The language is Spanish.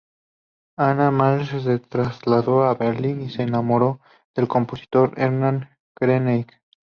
Anna Mahler se trasladó a Berlín y se enamoró del compositor Ernst Krenek.